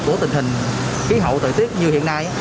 của tình hình khí hậu thời tiết như hiện nay